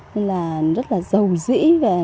nên là rất là giàu dĩ